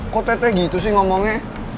kok tete gitu sih ngomongnya